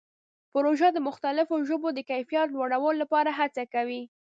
پروژه د مختلفو ژبو د کیفیت لوړولو لپاره هڅه کوي.